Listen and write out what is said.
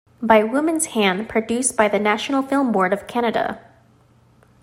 "By Woman's Hand", produced by the National Film Board of Canada.